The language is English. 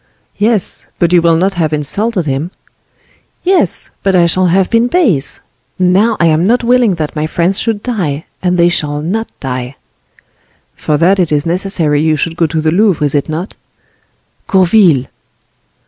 "Yes, but you will not have insulted him." "Yes, but I shall have been base; now I am not willing that my friends should die; and they shall not die!" "For that it is necessary you should go to the Louvre, is it not?" "Gourville!"